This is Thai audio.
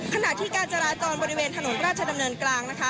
ขณะที่การจราจรบริเวณถนนราชดำเนินกลางนะคะ